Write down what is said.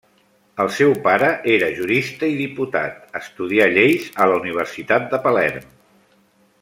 El seu pare era jurista i diputat, estudià lleis a la Universitat de Palerm.